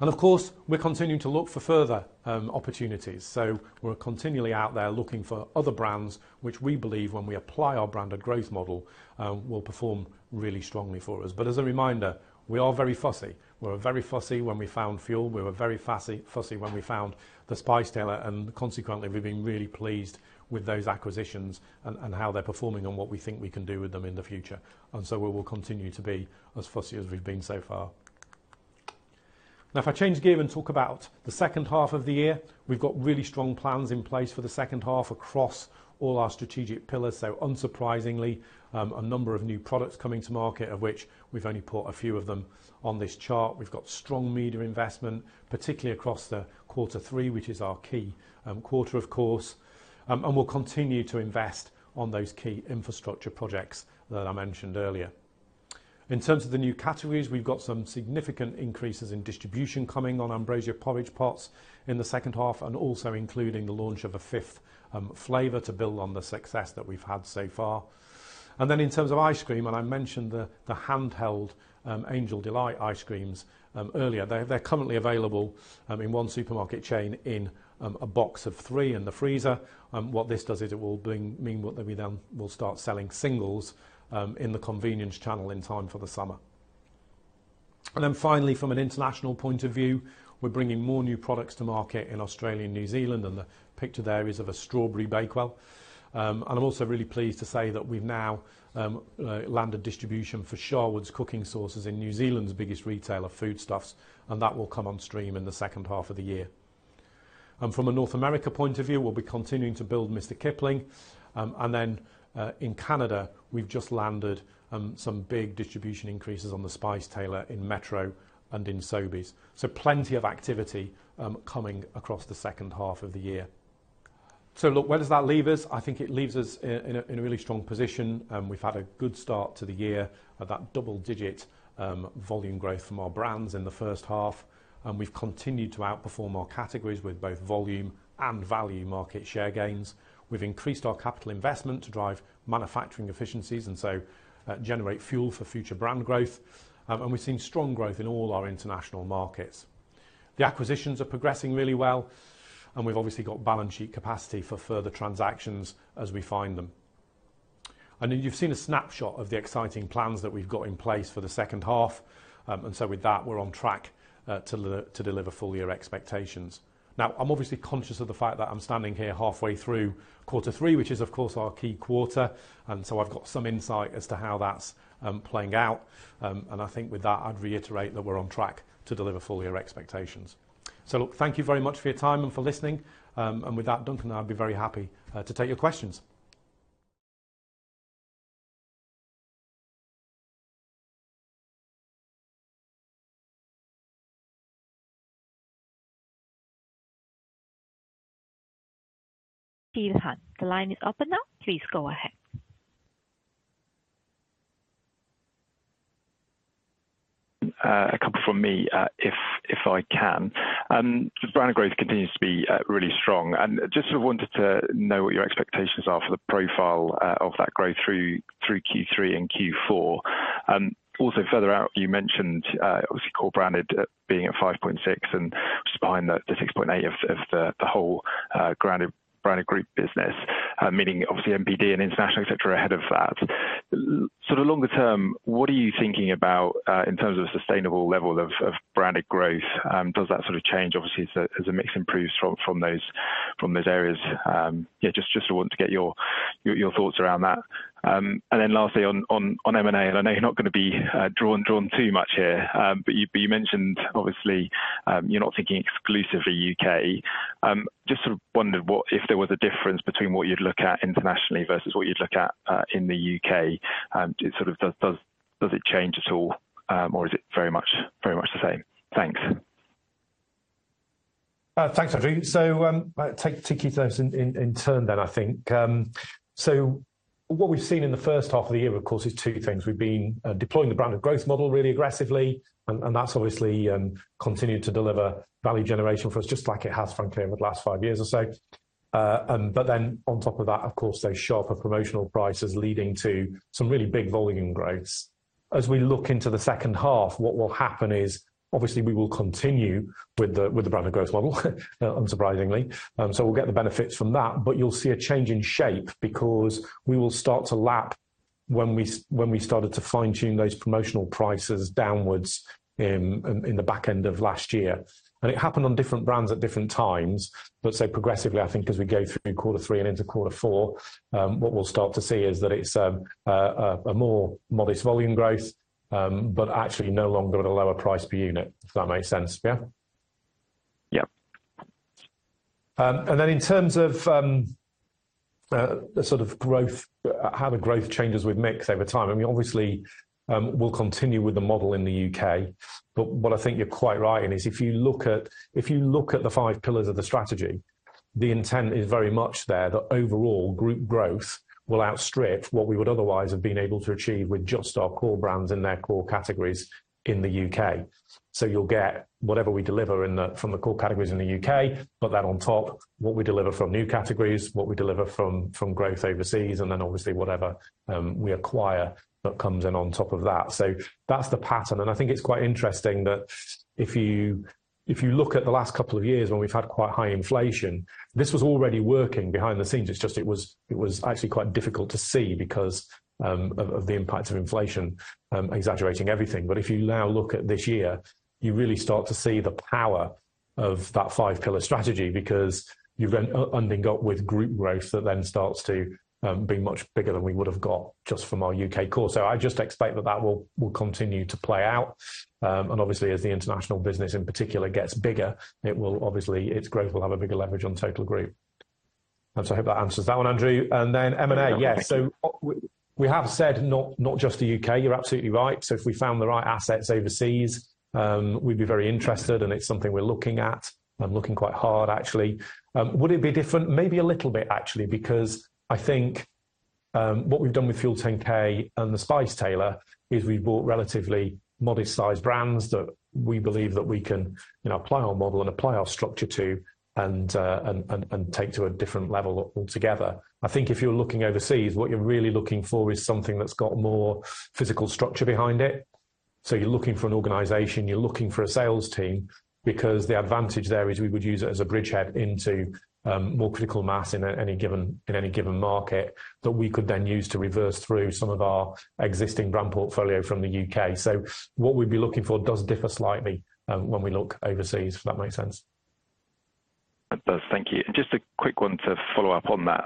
A: And of course, we're continuing to look for further opportunities. So we're continually out there looking for other brands, which we believe when we apply our branded growth model, will perform really strongly for us. But as a reminder, we are very fussy. We're very fussy when we found Fuel. We were very fussy when we found the Spice Tailor, and consequently, we've been really pleased with those acquisitions and how they're performing and what we think we can do with them in the future. And so we will continue to be as fussy as we've been so far. Now, if I change gear and talk about the second half of the year, we've got really strong plans in place for the second half across all our strategic pillars. So unsurprisingly, a number of new products coming to market, of which we've only put a few of them on this chart. We've got strong media investment, particularly across the quarter three, which is our key quarter, of course, and we'll continue to invest on those key infrastructure projects that I mentioned earlier. In terms of the new categories, we've got some significant increases in distribution coming on Ambrosia Porridge Pots in the second half, and also including the launch of a fifth flavor to build on the success that we've had so far. And then in terms of ice cream, and I mentioned the handheld Angel Delight ice creams earlier. They're currently available in one supermarket chain in a box of three in the freezer. What this does is it will mean that we then will start selling singles in the convenience channel in time for the summer. And then finally, from an international point of view, we're bringing more new products to market in Australia and New Zealand, and the picture there is of a strawberry Bakewell. And I'm also really pleased to say that we've now landed distribution for Sharwood's cooking sauces in New Zealand's biggest retailer, Foodstuffs, and that will come on stream in the second half of the year. And from a North America point of view, we'll be continuing to build Mr Kipling. And then, in Canada, we've just landed some big distribution increases on The Spice Tailor in Metro and in Sobeys. So plenty of activity coming across the second half of the year. So look, where does that leave us? I think it leaves us in a really strong position. We've had a good start to the year at that double-digit volume growth from our brands in the first half. We've continued to outperform our categories with both volume and value market share gains. We've increased our capital investment to drive manufacturing efficiencies and so generate fuel for future brand growth. And we've seen strong growth in all our international markets. The acquisitions are progressing really well, and we've obviously got balance sheet capacity for further transactions as we find them. And you've seen a snapshot of the exciting plans that we've got in place for the second half. And so with that, we're on track to deliver full year expectations. Now, I'm obviously conscious of the fact that I'm standing here halfway through quarter three, which is of course our key quarter. And so I've got some insight as to how that's playing out. And I think with that, I'd reiterate that we're on track to deliver full year expectations. So look, thank you very much for your time and for listening. And with that, Duncan, I'd be very happy to take your questions.
C: <audio distortion> the line is open now. Please go ahead.
D: A couple from me, if I can. The brand growth continues to be really strong. Just sort of wanted to know what your expectations are for the profile of that growth through Q3 and Q4. Also further out, you mentioned, obviously core branded being at 5.6% and just behind the 6.8% of the whole grocery branded group business, meaning obviously NPD and international, et cetera, ahead of that. Sort of longer term, what are you thinking about in terms of a sustainable level of branded growth? Does that sort of change? Obviously, it's as the mix improves from those areas. Yeah, just wanted to get your thoughts around that. And then lastly on M&A, and I know you're not going to be drawn too much here, but you mentioned obviously you're not thinking exclusively U.K. Just sort of wondered what if there was a difference between what you'd look at internationally versus what you'd look at in the U.K. It sort of does it change at all, or is it very much the same? Thanks.
A: Thanks, Andrew, so take you to those in turn then, I think, so what we've seen in the first half of the year, of course, is two things. We've been deploying the branded growth model really aggressively, and that's obviously continued to deliver value generation for us, just like it has, frankly, over the last five years or so, but then on top of that, of course, those sharper promotional prices leading to some really big volume growths. As we look into the second half, what will happen is obviously we will continue with the branded growth model, unsurprisingly, so we'll get the benefits from that, but you'll see a change in shape because we will start to lap when we started to fine-tune those promotional prices downwards in the back end of last year. It happened on different brands at different times, but so progressively, I think as we go through quarter three and into quarter four, what we'll start to see is that it's a more modest volume growth, but actually no longer at a lower price per unit, if that makes sense. Yeah?
D: Yep.
A: And then, in terms of the sort of growth, how the growth changes with mix over time, I mean, obviously, we'll continue with the model in the U.K.. But what I think you're quite right in is, if you look at the five pillars of the strategy, the intent is very much there that overall group growth will outstrip what we would otherwise have been able to achieve with just our core brands in their core categories in the U.K.. So you'll get whatever we deliver from the core categories in the U.K., but then on top, what we deliver from new categories, what we deliver from growth overseas, and then obviously whatever we acquire that comes in on top of that. So that's the pattern. And I think it's quite interesting that if you, if you look at the last couple of years when we've had quite high inflation, this was already working behind the scenes. It's just, it was, it was actually quite difficult to see because, of, of the impact of inflation, exaggerating everything. But if you now look at this year, you really start to see the power of that five-pillar strategy because you've then undergone with group growth that then starts to, be much bigger than we would've got just from our U.K. core. So I just expect that that will, will continue to play out. And obviously as the international business in particular gets bigger, it will obviously, its growth will have a bigger leverage on total group. And so I hope that answers that one, Andrew. And then M&A, yes. So we have said not, not just the U.K.. You're absolutely right. So if we found the right assets overseas, we'd be very interested and it's something we're looking at and looking quite hard actually. Would it be different? Maybe a little bit actually, because I think what we've done with FUEL10K and the Spice Tailor is we've bought relatively modest sized brands that we believe that we can, you know, apply our model and apply our structure to and take to a different level altogether. I think if you're looking overseas, what you're really looking for is something that's got more physical structure behind it. So you're looking for an organization, you're looking for a sales team because the advantage there is we would use it as a bridgehead into more critical mass in any given market that we could then use to reverse through some of our existing brand portfolio from the U.K. So what we'd be looking for does differ slightly, when we look overseas, if that makes sense.
D: It does. Thank you. And just a quick one to follow up on that.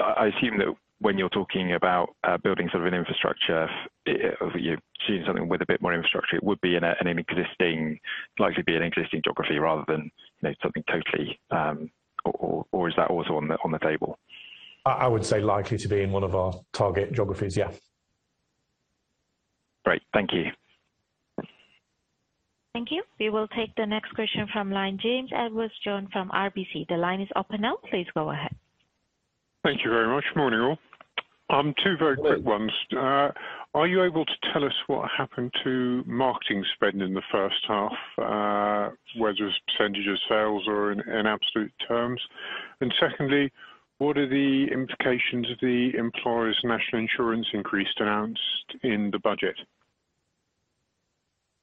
D: I assume that when you're talking about building sort of an infrastructure, you know, choosing something with a bit more infrastructure, it would be in an existing, likely an existing geography rather than, you know, something totally or is that also on the table?
A: I would say likely to be in one of our target geographies. Yeah.
D: Great. Thank you.
C: Thank you. We will take the next question from line James Edwardes Jones from RBC. The line is open now. Please go ahead.
E: Thank you very much. Morning, all. Two very quick ones. Are you able to tell us what happened to marketing spend in the first half, whether it's percentage of sales or in absolute terms? And secondly, what are the implications of the employer's National Insurance increase announced in the budget?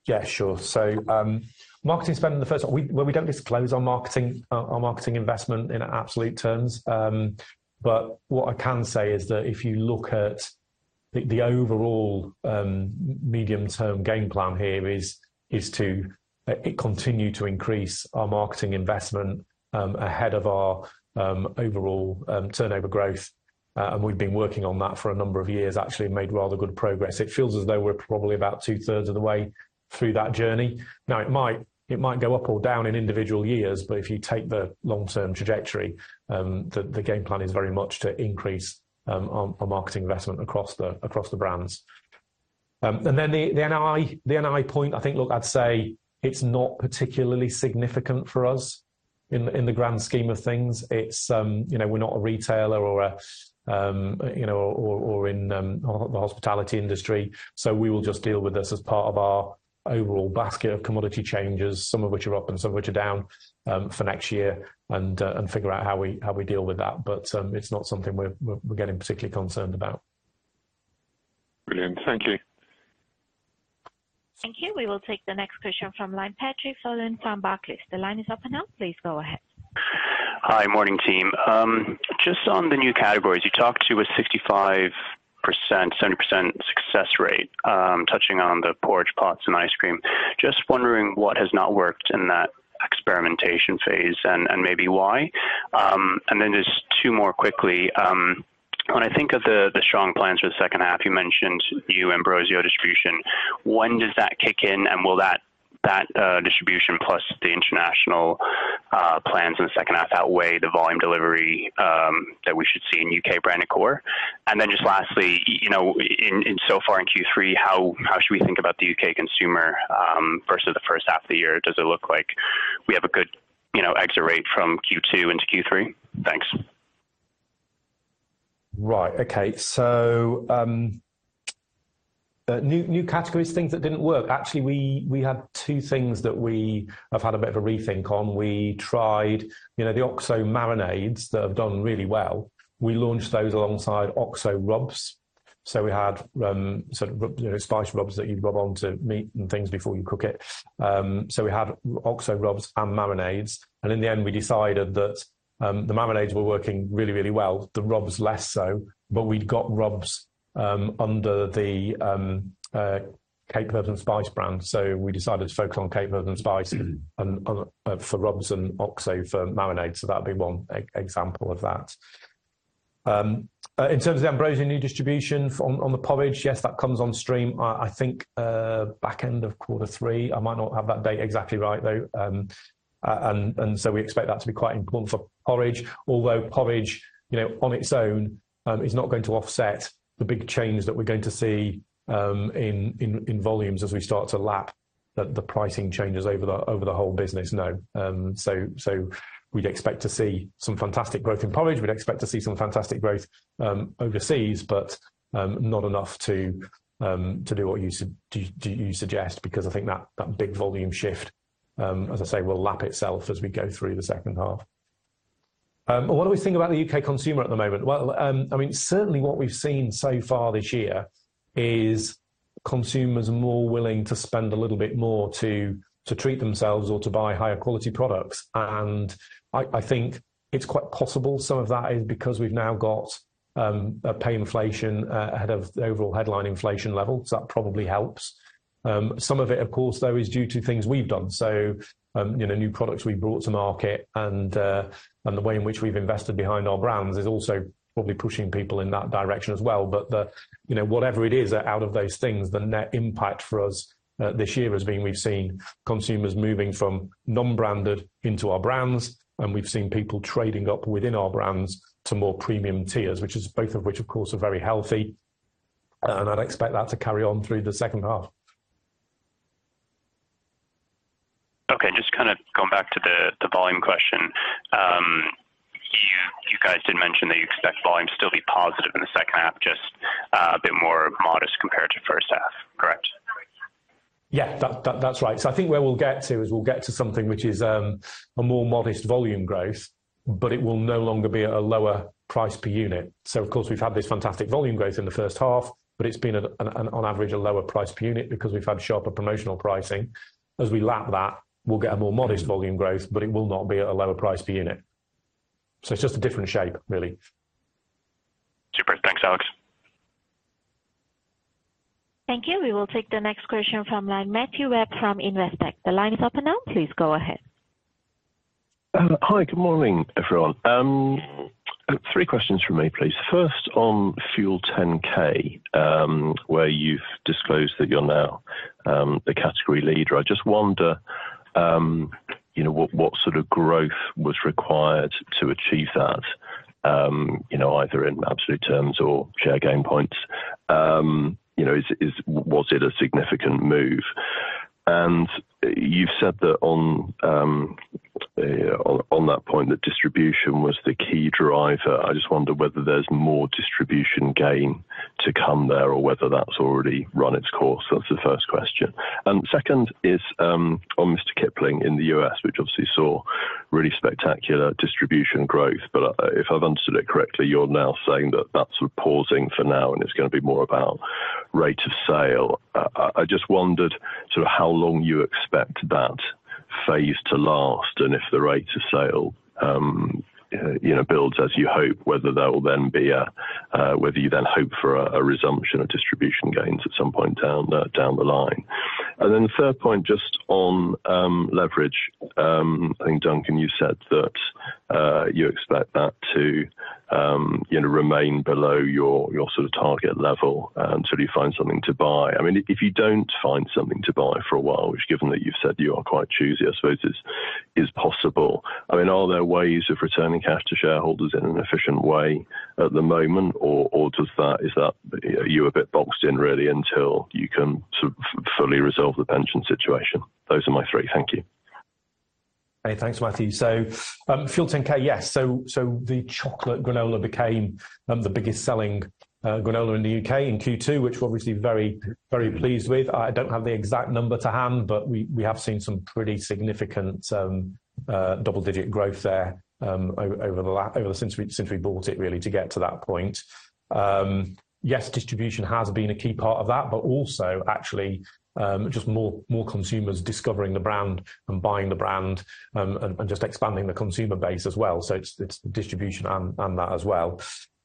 A: Yeah, sure. So, marketing spend in the first half, we, well, we don't disclose our marketing investment in absolute terms. But what I can say is that if you look at the overall, medium-term game plan here is to continue to increase our marketing investment, ahead of our overall turnover growth. And we've been working on that for a number of years, actually made rather good progress. It feels as though we're probably about two-thirds of the way through that journey. Now it might go up or down in individual years, but if you take the long-term trajectory, the game plan is very much to increase our marketing investment across the brands. And then the NI point, I think, look, I'd say it's not particularly significant for us in the grand scheme of things. It's, you know, we're not a retailer or a, you know, or in the hospitality industry. So we will just deal with this as part of our overall basket of commodity changes, some of which are up and some of which are down, for next year and figure out how we deal with that. But it's not something we're getting particularly concerned about.
E: Brilliant. Thank you.
C: Thank you. We will take the next question from line Patrick Folan from Barclays. The line is open now. Please go ahead.
F: Hi, morning team. Just on the new categories, you talked to a 65%, 70% success rate, touching on the porridge pots and ice cream. Just wondering what has not worked in that experimentation phase and maybe why. And then just two more quickly. When I think of the strong plans for the second half, you mentioned Ambrosia distribution. When does that kick in and will that distribution plus the international plans in the second half outweigh the volume delivery that we should see in U.K. branded core? And then just lastly, you know, in so far in Q3, how should we think about the U.K. consumer versus the first half of the year? Does it look like we have a good, you know, exit rate from Q2 into Q3? Thanks.
A: Right. Okay. So, new categories, things that didn't work. Actually, we had two things that we have had a bit of a rethink on. We tried, you know, the OXO marinades that have done really well. We launched those alongside OXO rubs. So we had, sort of, you know, spice rubs that you'd rub onto meat and things before you cook it. So we had OXO rubs and marinades. And in the end, we decided that the marinades were working really, really well, the rubs less so, but we'd got rubs under the Cape Herb and Spice brand. So we decided to focus on Cape Herb and Spice and for rubs and OXO for marinades. So that'd be one example of that. In terms of the Ambrosia new distribution on the porridge, yes, that comes on stream. I think back end of quarter three. I might not have that date exactly right though. And so we expect that to be quite important for porridge, although porridge, you know, on its own, is not going to offset the big change that we're going to see in volumes as we start to lap the pricing changes over the whole business. No. So we'd expect to see some fantastic growth in porridge. We'd expect to see some fantastic growth overseas, but not enough to do what you suggest, because I think that big volume shift, as I say, will lap itself as we go through the second half. What do we think about the U.K. consumer at the moment? I mean, certainly what we've seen so far this year is consumers are more willing to spend a little bit more to treat themselves or to buy higher quality products. And I think it's quite possible some of that is because we've now got a pay inflation ahead of the overall headline inflation level. So that probably helps. Some of it, of course, though, is due to things we've done. So you know, new products we've brought to market and the way in which we've invested behind our brands is also probably pushing people in that direction as well. But the, you know, whatever it is that out of those things, the net impact for us this year has been, we've seen consumers moving from non-branded into our brands, and we've seen people trading up within our brands to more premium tiers, both of which, of course, are very healthy. And I'd expect that to carry on through the second half.
F: Okay. Just kind of going back to the volume question, you guys did mention that you expect volume to still be positive in the second half, just a bit more modest compared to first half. Correct?
A: Yeah, that's right. So I think where we'll get to is we'll get to something which is a more modest volume growth, but it will no longer be at a lower price per unit. So of course we've had this fantastic volume growth in the first half, but it's been on average a lower price per unit because we've had sharper promotional pricing. As we lap that, we'll get a more modest volume growth, but it will not be at a lower price per unit. So it's just a different shape really.
F: Super. Thanks, Alex.
C: Thank you. We will take the next question from line Matthew Webb from Investec. The line is open now. Please go ahead.
G: Hi, good morning everyone. Three questions from me, please. First⁸ on FUEL10K, where you've disclosed that you're now the category leader. I just wonder, you know, what sort of growth was required to achieve that, you know, either in absolute terms or share gain points? You know, is, was it a significant move? And you've said that on, on that point, that distribution was the key driver. I just wonder whether there's more distribution gain to come there or whether that's already run its course. That's the first question. And second is, on Mr Kipling in the U.S., which obviously saw really spectacular distribution growth, but if I've understood it correctly, you are now saying that that's sort of pausing for now and it's gonna be more about rate of sale. I just wondered sort of how long you expect that phase to last and if the rate of sale, you know, builds as you hope, whether that will then be a, whether you then hope for a resumption of distribution gains at some point down the line. And then the third point just on leverage, I think Duncan, you said that you expect that to, you know, remain below your sort of target level until you find something to buy. I mean, if you don't find something to buy for a while, which given that you've said you are quite choosy, I suppose it's possible. I mean, are there ways of returning cash to shareholders in an efficient way at the moment or does that, is that you're a bit boxed in really until you can sort of fully resolve the pension situation? Those are my three. Thank you.
A: Hey, thanks, Matthew. So, FUEL10K, yes. So the chocolate granola became the biggest selling granola in the U.K. in Q2, which we're obviously very, very pleased with. I don't have the exact number to hand, but we have seen some pretty significant double-digit growth there, over the last since we bought it really to get to that point. Yes, distribution has been a key part of that, but also actually just more consumers discovering the brand and buying the brand and just expanding the consumer base as well. So it's the distribution and that as well.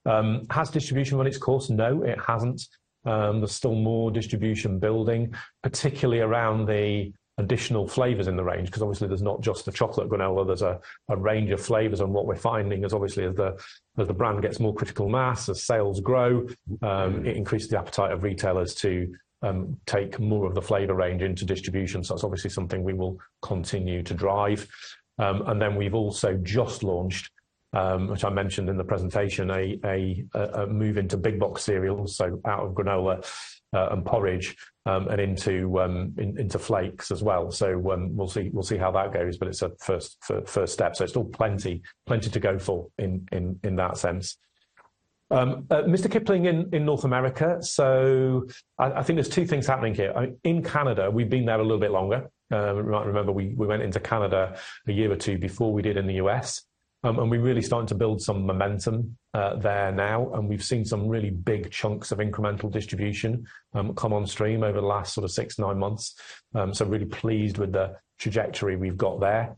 A: Has distribution run its course? No, it hasn't. There's still more distribution building, particularly around the additional flavors in the range, 'cause obviously there's not just the chocolate granola. There's a range of flavors and what we're finding is obviously as the brand gets more critical mass, as sales grow, it increases the appetite of retailers to take more of the flavor range into distribution. So it's obviously something we will continue to drive, and then we've also just launched, which I mentioned in the presentation, a move into big box cereal. So out of granola, and porridge, and into flakes as well. So we'll see how that goes, but it's a first step. So it's still plenty to go for in that sense. Mr Kipling in North America. So I think there's two things happening here. I mean, in Canada, we've been there a little bit longer. You might remember we went into Canada a year or two before we did in the U.S., and we're really starting to build some momentum there now, and we've seen some really big chunks of incremental distribution come on stream over the last sort of six, nine months. So really pleased with the trajectory we've got there.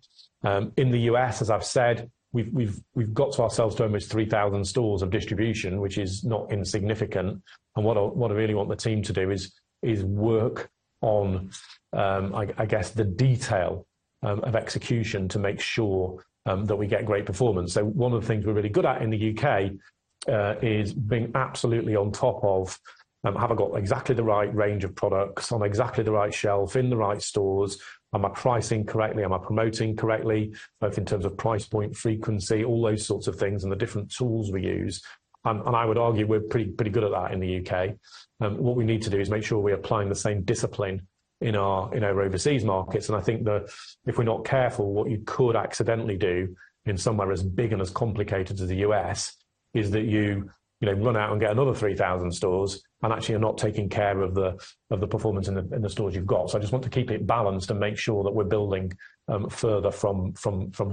A: In the U.S., as I've said, we've got ourselves to almost 3,000 stores of distribution, which is not insignificant. And what I really want the team to do is work on, I guess, the detail of execution to make sure that we get great performance. So one of the things we're really good at in the U.K. is being absolutely on top of have I got exactly the right range of products on exactly the right shelf in the right stores? Am I pricing correctly? Am I promoting correctly? Both in terms of price point frequency, all those sorts of things and the different tools we use. And I would argue we're pretty, pretty good at that in the U.K. What we need to do is make sure we're applying the same discipline in our overseas markets. And I think, if we're not careful, what you could accidentally do in somewhere as big and as complicated as the U.S. is that you know, run out and get another 3,000 stores and actually are not taking care of the performance in the stores you've got. So I just want to keep it balanced and make sure that we're building further from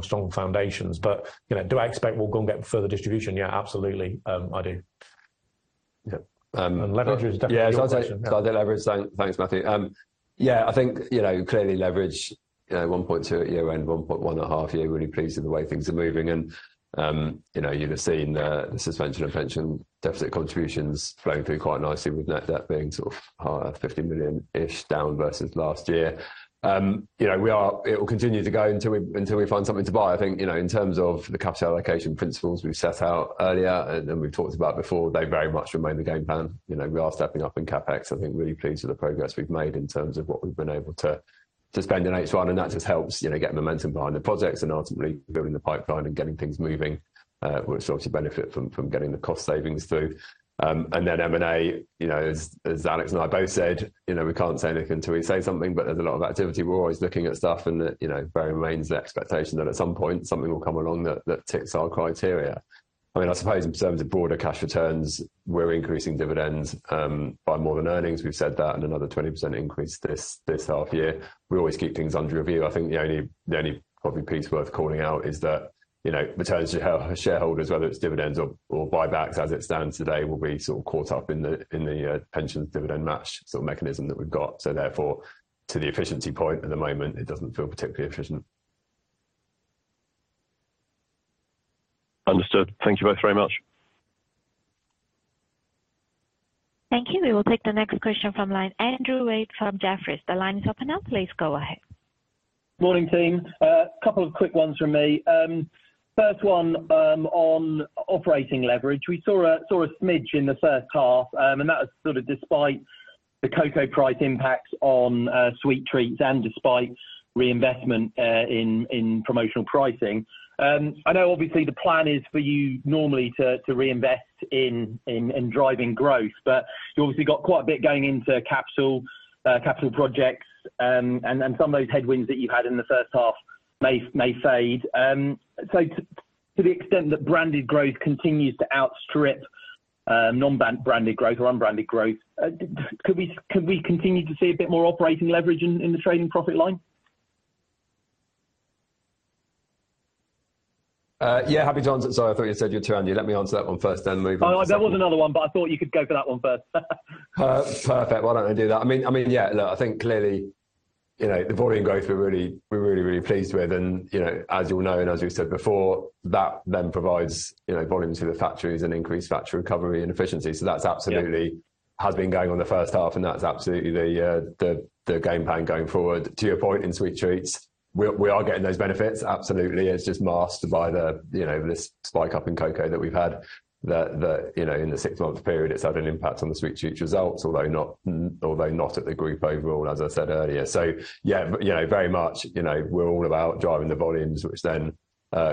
A: strong foundations. But you know, do I expect we'll go and get further distribution? Yeah, absolutely. I do.
G: Yeah.
A: <crosstalk> and leverage is definitely a question.
B: Yeah, so I'll take leverage. Thanks, Matthew. Yeah, I think, you know, clearly leverage, you know, 1.2x at year end, 1.1x at half year. Really pleased with the way things are moving. And, you know, you've seen the suspension of pension deficit contributions flowing through quite nicely with net debt being sort of higher, 50 million-ish down versus last year. You know, it'll continue to go until we find something to buy. I think, you know, in terms of the capital allocation principles we've set out earlier and we've talked about before, they very much remain the game plan. You know, we are stepping up in CapEx. I think really pleased with the progress we've made in terms of what we've been able to spend in H1. That just helps, you know, get momentum behind the projects and ultimately building the pipeline and getting things moving, which sort of benefit from getting the cost savings through. Then M&A, you know, as Alex and I both said, you know, we can't say anything until we say something, but there's a lot of activity. We're always looking at stuff and that, you know, very remains the expectation that at some point something will come along that ticks our criteria. I mean, I suppose in terms of broader cash returns, we're increasing dividends by more than earnings. We've said that and another 20% increase this half year. We always keep things under review. I think the only probably piece worth calling out is that, you know, returns to shareholders, whether it's dividends or buybacks as it stands today will be sort of caught up in the pension dividend match sort of mechanism that we've got. So therefore, to the efficiency point at the moment, it doesn't feel particularly efficient.
G: Understood. Thank you both very much.
C: Thank you. We will take the next question from line Andrew Wade from Jefferies. The line is open now. Please go ahead.
D: Morning, team. A couple of quick ones from me. First one, on operating leverage. We saw a smidge in the first half, and that was sort of despite the cocoa price impacts on Sweet Treats and despite reinvestment in promotional pricing. I know obviously the plan is for you normally to reinvest in driving growth, but you obviously got quite a bit going into capital projects, and some of those headwinds that you've had in the first half may fade, so to the extent that branded growth continues to outstrip non-branded growth or unbranded growth, could we continue to see a bit more operating leverage in the trading profit line?
A: Yeah, happy to answer it. Sorry, I thought you said your turn. You let me answer that one first, then move on.
D: Oh, that was another one, but I thought you could go for that one first.
A: Perfect. Why don't I do that? I mean, yeah, look, I think clearly, you know, the volume growth we're really pleased with. You know, as you'll know, and as we've said before, that then provides, you know, volume to the factories and increased factory recovery and efficiency. So that's absolutely has been going on the first half. And that's absolutely the game plan going forward. To your point in Sweet Treats, we are getting those benefits. Absolutely. It's just masked by the, you know, this spike up in cocoa that we've had that, you know, in the six month period, it's had an impact on the Sweet Treats results, although not at the Group overall, as I said earlier. So yeah, you know, very much, you know, we're all about driving the volumes, which then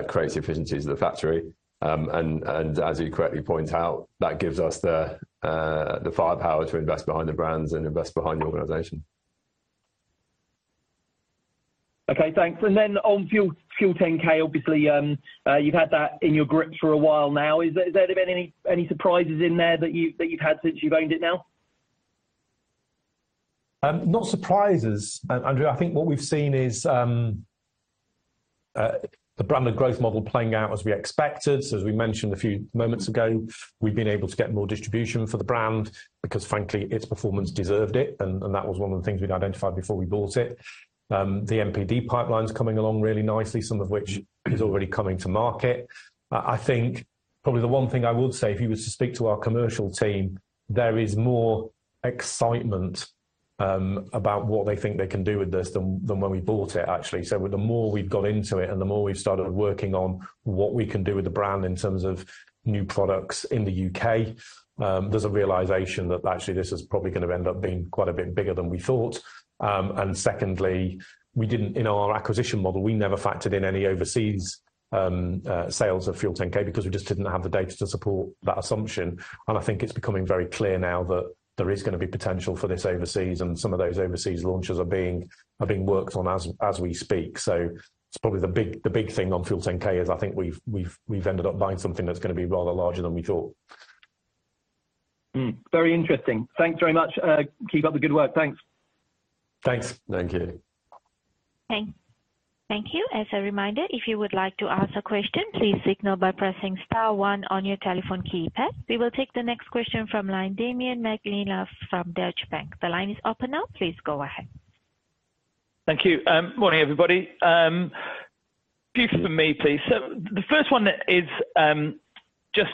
A: creates efficiencies of the factory. And as you correctly point out, that gives us the firepower to invest behind the brands and invest behind the organization.
D: Okay. Thanks. And then on FUEL10K, obviously, you've had that in your grips for a while now. Is there been any surprises in there that you've had since you've owned it now?
A: No surprises. Andrew, I think what we've seen is the branded growth model playing out as we expected. So as we mentioned a few moments ago, we've been able to get more distribution for the brand because frankly, its performance deserved it. And that was one of the things we'd identified before we bought it. The NPD pipeline's coming along really nicely, some of which is already coming to market. I think probably the one thing I would say, if you were to speak to our commercial team, there is more excitement about what they think they can do with this than when we bought it actually. So the more we've got into it and the more we've started working on what we can do with the brand in terms of new products in the U.K., there's a realization that actually this is probably gonna end up being quite a bit bigger than we thought. And secondly, we didn't, in our acquisition model, we never factored in any overseas sales of FUEL10K because we just didn't have the data to support that assumption. And I think it's becoming very clear now that there is gonna be potential for this overseas and some of those overseas launches are being worked on as we speak. So it's probably the big thing on FUEL10K is I think we've ended up buying something that's gonna be rather larger than we thought.
D: Very interesting. Thanks very much. Keep up the good work. Thanks.
B: Thanks.
A: Thank you.
C: Okay. Thank you. As a reminder, if you would like to ask a question, please signal by pressing star one on your telephone keypad. We will take the next question from line Damian Mcneela from Deutsche Bank. The line is open now. Please go ahead.
H: Thank you. Morning, everybody. A few for me, please. So the first one is, just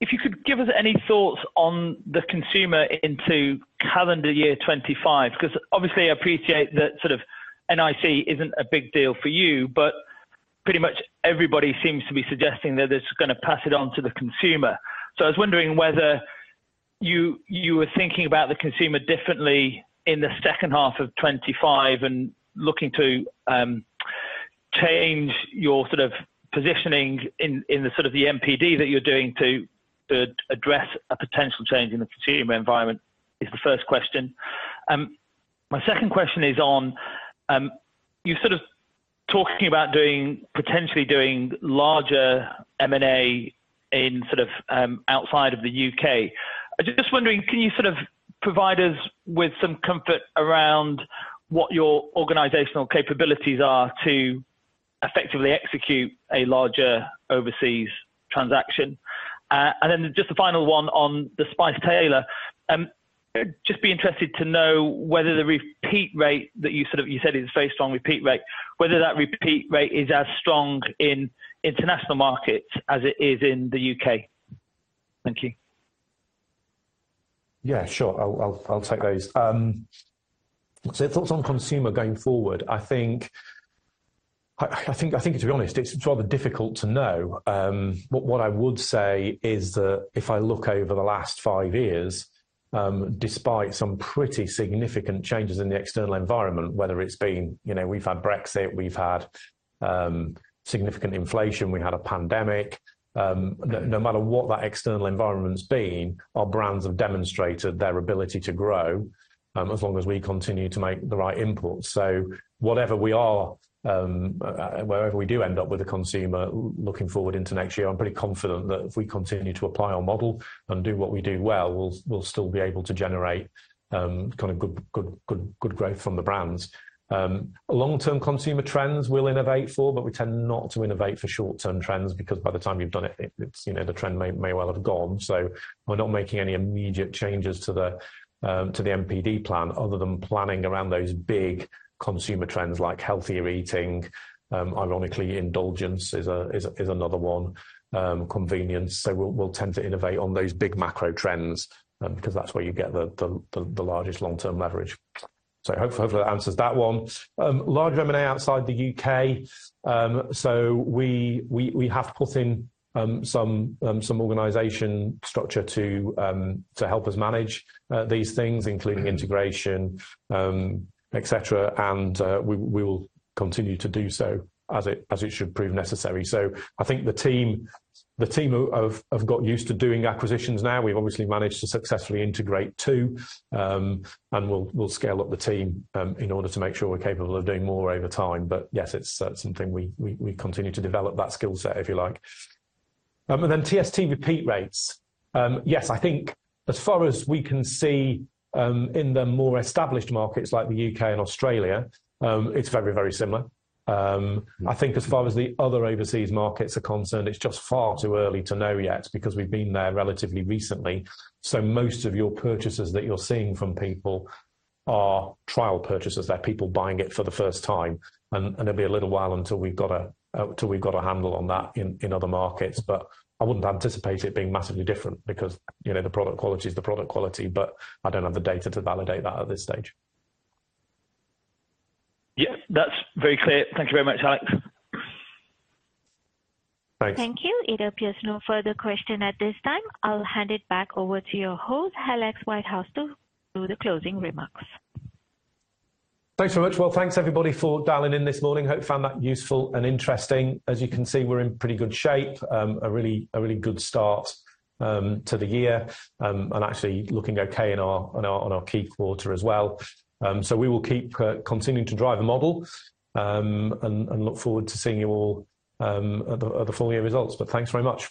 H: if you could give us any thoughts on the consumer into calendar year 2025, 'cause obviously I appreciate that sort of NIC isn't a big deal for you, but pretty much everybody seems to be suggesting that it's gonna pass it on to the consumer. So I was wondering whether you were thinking about the consumer differently in the second half of 2025 and looking to change your sort of positioning in the sort of the NPD that you're doing to address a potential change in the consumer environment is the first question. My second question is on you sort of talking about potentially doing larger MA in sort of outside of the U.K.. I'm just wondering, can you sort of provide us with some comfort around what your organizational capabilities are to effectively execute a larger overseas transaction? And then just the final one on the Spice Tailor. Just be interested to know whether the repeat rate that you sort of, you said it's a very strong repeat rate, whether that repeat rate is as strong in international markets as it is in the U.K.. Thank you.
A: Yeah, sure. I'll take those, so thoughts on consumer going forward. I think to be honest, it's rather difficult to know. What I would say is that if I look over the last five years, despite some pretty significant changes in the external environment, whether it's been you know we've had Brexit, we've had significant inflation, we had a pandemic, no matter what that external environment's been, our brands have demonstrated their ability to grow, as long as we continue to make the right inputs, so whatever we are, wherever we do end up with a consumer looking forward into next year, I'm pretty confident that if we continue to apply our model and do what we do well, we'll still be able to generate kind of good growth from the brands. Long-term consumer trends we'll innovate for, but we tend not to innovate for short-term trends because by the time you've done it, it's, you know, the trend may well have gone. So we're not making any immediate changes to the NPD plan other than planning around those big consumer trends like healthier eating. Ironically, indulgence is another one, convenience. So we'll tend to innovate on those big macro trends, 'cause that's where you get the largest long-term leverage. So hopefully that answers that one. Large M&A outside the U.K.. So we have put in some organizational structure to help us manage these things, including integration, et cetera. And we will continue to do so as it should prove necessary. I think the team have got used to doing acquisitions now. We've obviously managed to successfully integrate two, and we'll scale up the team in order to make sure we're capable of doing more over time. But yes, it's something we continue to develop that skillset, if you like. And then TST repeat rates. Yes, I think as far as we can see, in the more established markets like the U.K. and Australia, it's very, very similar. I think as far as the other overseas markets are concerned, it's just far too early to know yet because we've been there relatively recently. So most of your purchases that you're seeing from people are trial purchases. They're people buying it for the first time. And it'll be a little while until we've got a handle on that in other markets. But I wouldn't anticipate it being massively different because, you know, the product quality is the product quality, but I don't have the data to validate that at this stage.
H: Yeah, that's very clear. Thank you very much, Alex.
E: Thanks.
C: Thank you. It appears no further question at this time. I'll hand it back over to your host, Alex Whitehouse, to do the closing remarks.
A: Thanks very much. Well, thanks everybody for dialing in this morning. Hope you found that useful and interesting. As you can see, we're in pretty good shape, a really, a really good start to the year, and actually looking okay on our key quarter as well, so we will keep continuing to drive the model and look forward to seeing you all at the full year results, but thanks very much.